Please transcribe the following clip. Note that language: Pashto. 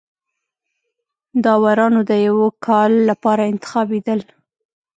داورانو د یوه کال لپاره انتخابېدل.